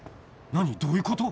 何？どういうこと？